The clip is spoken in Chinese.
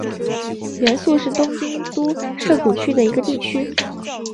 原宿是东京都涩谷区的一个地区。